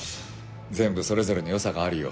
全部それぞれの良さがあるよ。